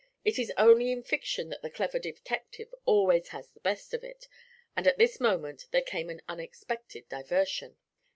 it is only in fiction that the clever detective always has the best of it, and at this moment there came an unexpected diversion.